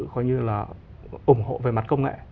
coi như là ủng hộ về mặt công nghệ